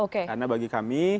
karena bagi kami